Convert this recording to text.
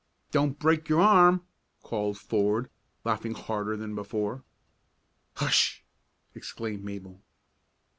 "Don't break your arm!" called Ford, laughing harder than before. "Hush!" exclaimed Mabel.